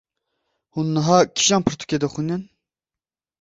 Hûn niha kîjan pirtûkê dixwînin?